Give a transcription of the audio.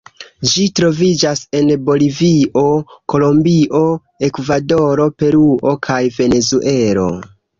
Ĝi troviĝas en Bolivio, Kolombio, Ekvadoro, Peruo kaj Venezuelo.